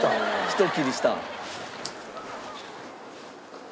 ひと切りした。